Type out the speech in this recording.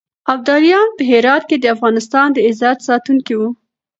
ابدالیان په هرات کې د افغانستان د عزت ساتونکي وو.